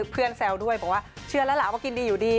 แซวด้วยบอกว่าเชื่อแล้วล่ะว่ากินดีอยู่ดี